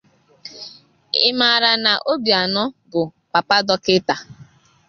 Ị mààrà na Obianọ bụ Papa Dọkịta?